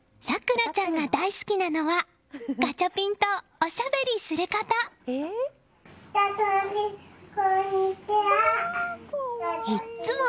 咲花ちゃんが大好きなのはガチャピンとおしゃべりすること。